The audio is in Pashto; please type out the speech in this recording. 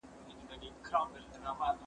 د هر قام چي يو ځل وېره له دښمن سي